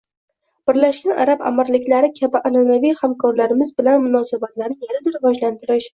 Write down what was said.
Birlashgan Arab Amirliklari kabi an’anaviy hamkorlarimiz bilan munosabatlarni yanada rivojlantirish